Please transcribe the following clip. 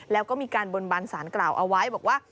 แล้วก็มีการบนบันสารกล่าวเอาไว้บอกว่า